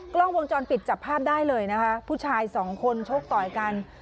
กล้องวงจรปิดจับภาพได้เลยนะคะผู้ชายสองคนโชคต่อยกัน